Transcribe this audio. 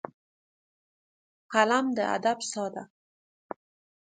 قلم د ادب ساه ده